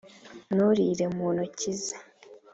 nturīre mu ntoki ze.